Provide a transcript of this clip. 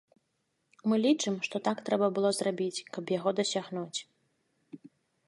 Мы лічым, што так трэба было зрабіць, каб яго дасягнуць.